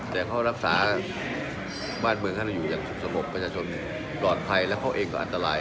แต่เขารักษาบ้านเมืองท่านอยู่อย่างสงบประชาชนปลอดภัยแล้วเขาเองก็อันตราย